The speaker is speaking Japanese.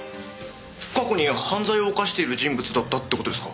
過去に犯罪を犯している人物だったって事ですか？